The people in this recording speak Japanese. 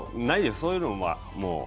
そういうのは。